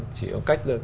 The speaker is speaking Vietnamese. chỉ có cách là